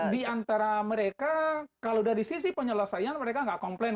di antara mereka kalau dari sisi penyelesaian mereka nggak komplain